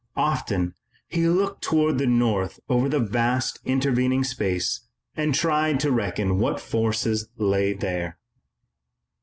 Often he looked toward the North over the vast, intervening space and tried to reckon what forces lay there.